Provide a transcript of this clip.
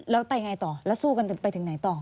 แล้วไปยังไงต่อแล้วสู้กันไปถึงไหนต่อ